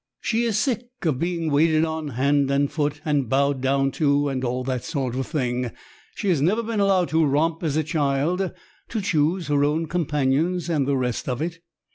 She is sick of being waited on hand and foot and bowed down to and all that sort of thing. She has never been allowed to romp as a child, to choose her own companions and the rest of it.